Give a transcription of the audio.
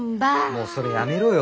もうそれやめろよ。